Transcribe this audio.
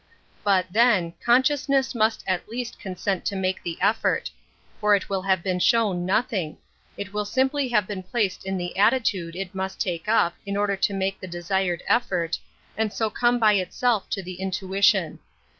But, then, consciouenefis must at least consent to make the effort. For it will have been shown nothing ; it will simply have been placed in the attitude it must take up in order to make the de sired effort, and so come by itself to the intuition.